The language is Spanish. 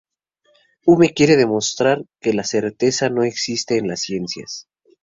Hume quiere demostrar que la certeza no existe en las ciencias.